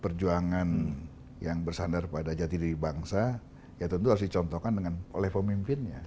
perjuangan yang bersandar pada jati diri bangsa ya tentu harus dicontohkan oleh pemimpinnya